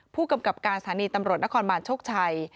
ผู้กำกับการสถานีตำรวจนครบาลโชคชัย